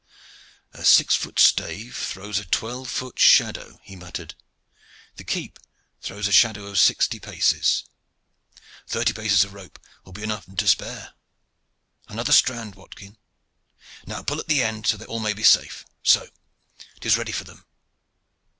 "A six foot stave throws a twelve foot shadow," he muttered. "The keep throws a shadow of sixty paces. Thirty paces of rope will be enow and to spare. Another strand, Watkin! Now pull at the end that all may be safe. So! It is ready for them."